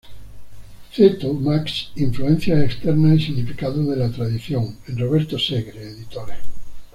Cetto, Max, “Influencias externas y significado de la tradición,“ en Roberto Segre, ed.